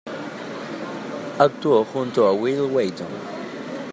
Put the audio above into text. Actuó junto a Wil Wheaton.